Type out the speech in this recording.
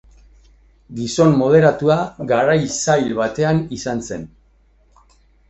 Gizon moderatua garai zail batean izan zen.